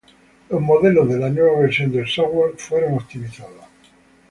Los modelos de la nueva versión del software fueron optimizados